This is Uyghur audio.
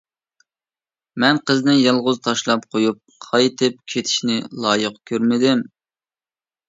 مەن قىزنى يالغۇز تاشلاپ قويۇپ قايتىپ كېتىشنى لايىق كۆرمىدىم.